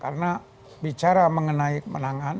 karena bicara mengenai kemenangan